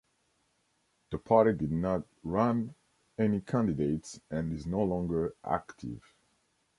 The party did not run any candidates and is no longer active.